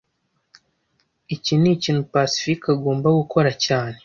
Iki nikintu Pacifique agomba gukora cyane